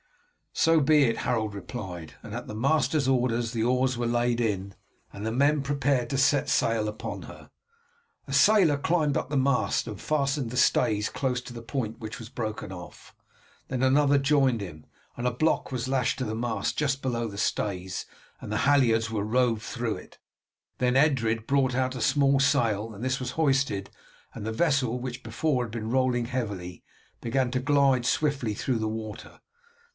"So be it," Harold replied; and at the master's orders the oars were laid in, and the men prepared to get sail upon her. A sailor climbed up the mast and fastened the stays close to the point which was broken off. Then another joined him, and a block was lashed to the mast just below the stays, and the halliards were rove through it; then Edred brought out a small sail, and this was hoisted, and the vessel, which had before been rolling heavily, began to glide swiftly through the water.